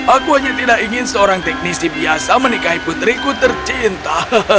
aku hanya tidak ingin seorang teknisi biasa menikahi putriku tercinta